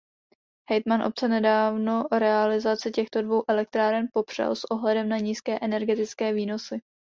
Hejtman obce nedávno realizaci těchto dvou elektráren popřel s ohledem na nízké energetické výnosy.